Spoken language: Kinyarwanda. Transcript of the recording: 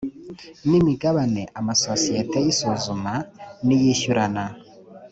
n imigabane amasosiyete y isuzuma n iyishyurana